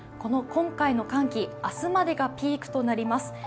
今期の寒気、明日までがピークとなります。